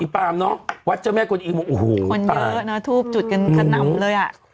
ปามเนอะวัดเจ้าแม่กวนอิงบอกโอ้โหคนเยอะนะทูบจุดกันขนำเลยอ่ะ